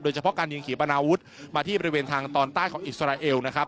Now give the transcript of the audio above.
เฉพาะการยิงขี่ปนาวุธมาที่บริเวณทางตอนใต้ของอิสราเอลนะครับ